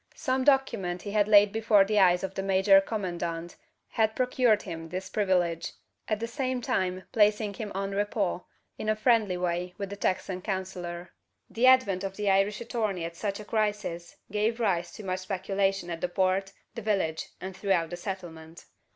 Some document he had laid before the eyes of the major commandant, had procured him this privilege; at the same time placing him en rapport, in a friendly way, with the Texan "counsellor." The advent of the Irish attorney at such a crisis gave rise to much speculation at the Port, the village, and throughout the settlement.